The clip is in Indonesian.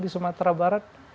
di sumatera barat